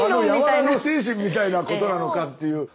柔の精神みたいなことなのかっていう。